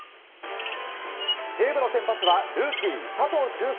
西武の先発はルーキー、佐藤隼輔。